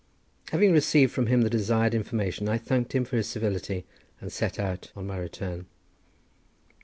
Having received from him the desired information, I thanked him for his civility, and set out on my return.